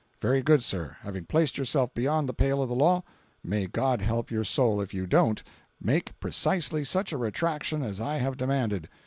"Very good, sir. Having placed yourself beyond the pale of the law, may God help your soul if you DON'T make precisely such a retraction as I have demanded.